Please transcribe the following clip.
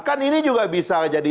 kan ini juga bisa jadi